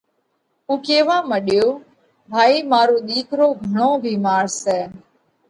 اُو ڪيوا مڏيو: ڀائِي مارو ۮِيڪرو گھڻو ڀيمار سئہ،